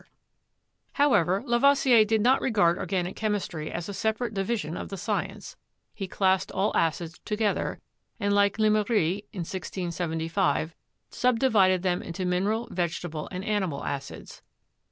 219 220 CHEMISTRY However, Lavoisier did not regard organic chemistry as a separate division of the science. He classed all acids together, and, like Lemery (1675), subdivided them into mineral, vegetable, and animal acids.